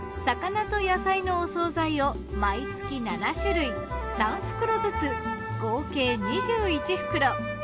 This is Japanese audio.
魚と野菜のお惣菜を毎月７種類３袋ずつ合計２１袋。